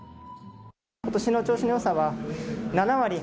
今年の調子のよさは７割。